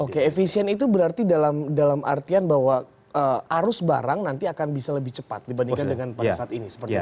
oke efisien itu berarti dalam artian bahwa arus barang nanti akan bisa lebih cepat dibandingkan dengan pada saat ini seperti apa